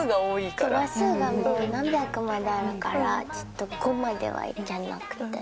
話数が何百まであるからちょっと５まではいけなくて。